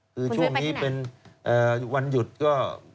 คือช่วงนี้เป็นวันหยุดก็